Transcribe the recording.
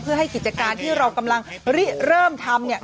เพื่อให้กิจการที่เรากำลังเริ่มทำเนี่ย